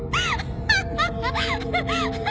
ハッハハ！